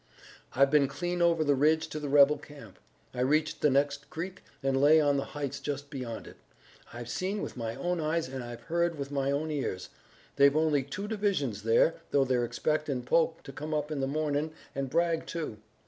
"I've been clean over the ridge to the rebel camp. I reached the next creek and lay on the heights just beyond it. I've seen with my own eyes and I've heard with my own ears. They've only two divisions there, though they're expectin' Polk to come up in the mornin' an' Bragg, too.